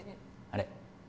あれ？